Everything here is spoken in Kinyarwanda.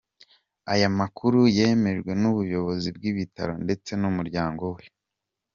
Aya makuru yemejwe n’ubuyobozi bw’ibitaro ndetse n’umuryango we.